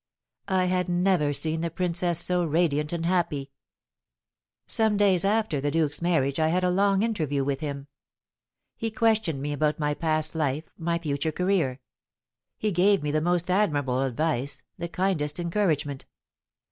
I had never seen the princess so radiant and happy. Some days after the duke's marriage I had a long interview with him. He questioned me about my past life, my future career. He gave me the most admirable advice, the kindest encouragement.